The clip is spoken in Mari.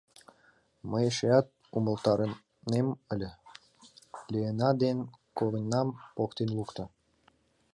Мый эшеат умылтарынем ыле, Леэна ден когыньнам поктен лукто.